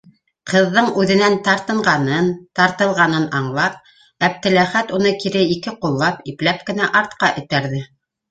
Ҡыҙҙың үҙенән тартынғанын, тартылғанын аңлап, Әптеләхәт уны кире ике ҡуллап, ипләп кенә артҡа этәрҙе: